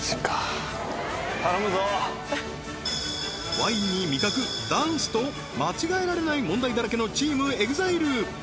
ワインに味覚ダンスと間違えられない問題だらけのチームＥＸＩＬＥ